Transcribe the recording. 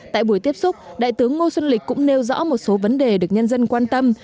tại buổi tiếp xúc đại tướng ngô xuân lịch cũng nêu rõ một số vấn đề được nhân dân quan tâm